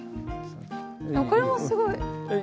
これもすごい。